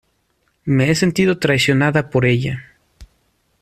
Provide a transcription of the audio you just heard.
me he sentido traicionada por ella.